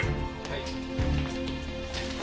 はい。